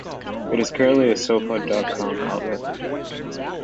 It is currently a sofa dot com outlet.